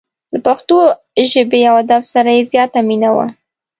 له پښتو ژبې او ادب سره یې زیاته مینه وه.